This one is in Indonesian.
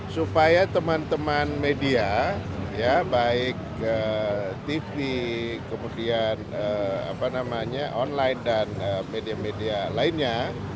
supaya teman teman media baik tv kemudian online dan media media lainnya